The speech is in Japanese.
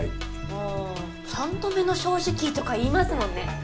ああ「三度目の正直」とか言いますもんね。